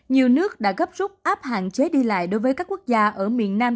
nhiều nước đã gấp rút áp hạn chế đi lại đối với các quốc gia ở miền nam